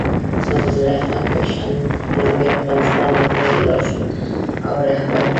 منظور احمد پښتين د لوی افغانستان د داعیې لارښود او رهبر دی.